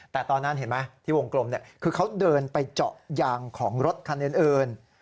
แต่ตอนนั้นเห็นไหมที่วงกลมคือเขาเดินไปเจาะยางของรถคันอื่น